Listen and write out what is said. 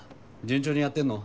順調にやってんの？